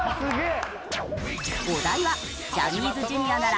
お題はジャニーズＪｒ．なら